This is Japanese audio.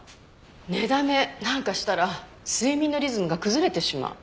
「寝だめ」なんかしたら睡眠のリズムが崩れてしまう。